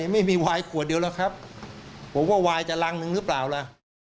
ไม่มีวายขวดเดียวหรอกครับผมว่าวายจะรังหนึ่งหรือเปล่าล่ะ